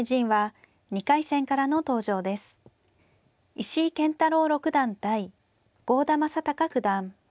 石井健太郎六段対郷田真隆九段。